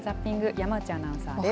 山内アナウンサーです。